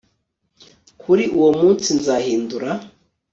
Kuri uwo munsi nzahindura